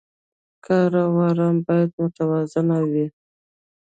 کار او ارام باید متوازن وي.